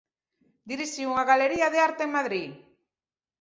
Dirixiu unha galería de arte en Madrid.